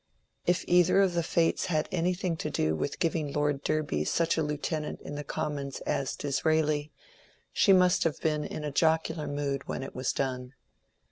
If either of the Fates had anything to do with giving Lord Derby such a lieutenant in the Commons as Disraeli, she must have been in a jocular mood when it was done.